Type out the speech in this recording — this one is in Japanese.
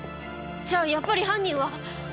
じゃあやっぱり犯人は。